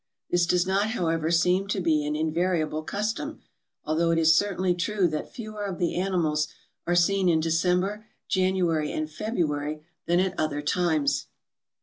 This does not, however, seem to be an in variable custom, although it is certainly true that fewer of the animals are seen in December, January, and February than at other times.